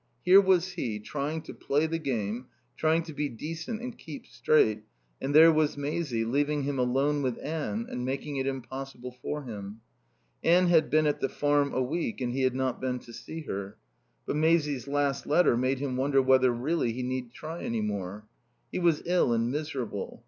Here was he, trying to play the game, trying to be decent and keep straight, and there was Maisie leaving him alone with Anne and making it impossible for him. Anne had been back at the Farm a week and he had not been to see her. But Maisie's last letter made him wonder whether, really, he need try any more. He was ill and miserable.